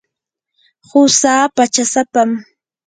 qusaa pachasapam.